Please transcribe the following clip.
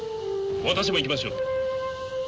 私も行きましょう。